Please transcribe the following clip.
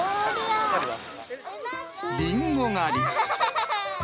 リンゴ狩り。